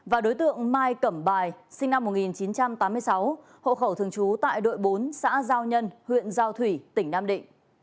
và đối tượng mai cẩm bài sinh năm một nghìn chín trăm tám mươi sáu hộ khẩu thường trú tại đội bốn xã giao nhân huyện giao thủy tỉnh nam định